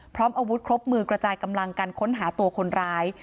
พร้อมอาวุธครบมือกระจายกำลังกันค้นหาตัวคนร้าย